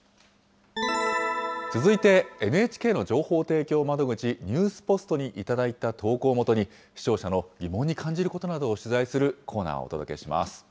続いて、ＮＨＫの情報提供窓口、ニュースポストに頂いた投稿をもとに、視聴者の疑問に感じることなどを取材するコーナーをお届けします。